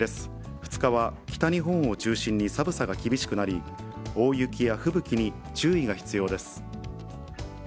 ２日は北日本を中心に寒さが厳しくなり、大雪や吹雪に注意が必要です。